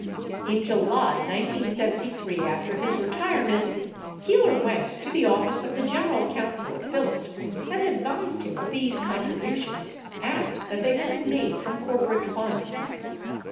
In July 1973, after his retirement, Keeler went to the office of the general counsel of Phillips, and advised him of these con tributions and that they had been made from corporate funds.